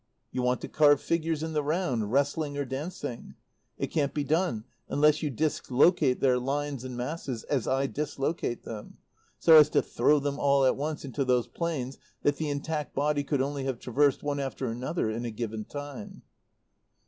You want to carve figures in the round, wrestling or dancing. It can't be done unless you dislocate their lines and masses as I dislocate them, so as to throw them all at once into those planes that the intact body could only have traversed one after another in a given time.